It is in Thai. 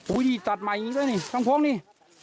โอ้ยตัดใหม่อยู่นี่กันเลยห้องโพ้งนี่